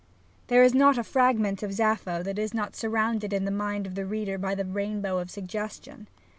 There is not a fragment of Sappho that is not surrounded in the mind of the reader by the rainbow of suggestion.